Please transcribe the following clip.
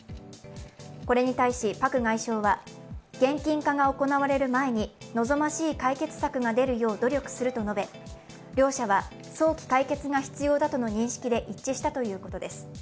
これに対し、パク外相は、現金化が行われる前に望ましい解決策が出るよう努力すると述べ両者は早期解決が必要だとの認識で一致したということです。